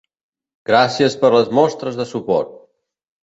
Gràcies per les mostres de suport!